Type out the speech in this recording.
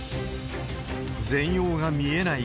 全容が見えない